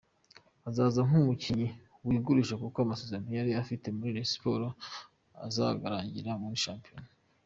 Azaza nk’umukinnyi wigurisha kuko amasezerano yari afite muri Rayon Sports agzarangirana na shampiyona.